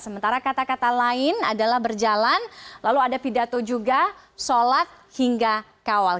sementara kata kata lain adalah berjalan lalu ada pidato juga sholat hingga kawal